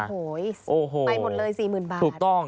ไปหมดเลยสี่หมื่นบาท